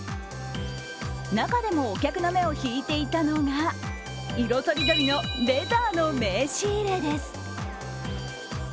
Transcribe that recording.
中でも、お客の目を引いていたのが色とりどりのレザーの名刺入れです。